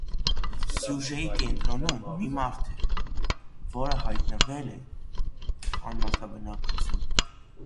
Սյուժեի կենտրոնում մի մարդ է, որը հայտնվել է անմարդաբնակ կղզում։